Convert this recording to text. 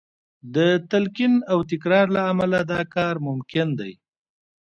د تلقین او تکرار له امله دا کار ممکن دی